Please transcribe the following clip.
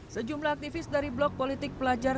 sejumlah aktivis dari blok politik pelajar